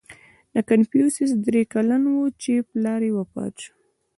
• کنفوسیوس درې کلن و، چې پلار یې وفات شو.